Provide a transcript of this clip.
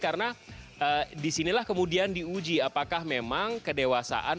karena disinilah kemudian diuji apakah memang kedewasaan